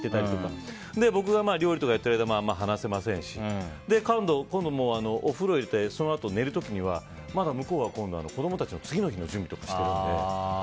僕が料理とかやっている間は話せませんし今度、お風呂を入れてそのあと寝る時にはまだ向こうは子供たちの次の日の準備とかしてるので。